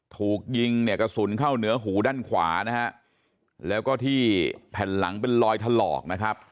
ถูกยิงเนี่ยกระสุนเข้าเหนือหูด้านขวานะฮะแล้วก็ที่แผ่นหลังเป็นรอยถลอกนะครับ